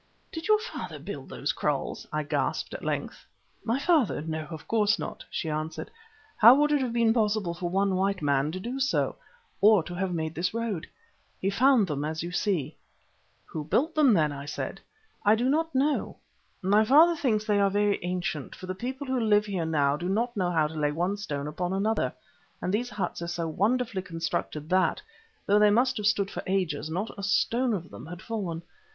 "Did your father build those kraals?" I gasped, at length. "My father! no, of course not," she answered. "How would it have been possible for one white man to do so, or to have made this road? He found them as you see." "Who built them, then?" I said again. "I do not know. My father thinks that they are very ancient, for the people who live here now do not know how to lay one stone upon another, and these huts are so wonderfully constructed that, though they must have stood for ages, not a stone of them had fallen.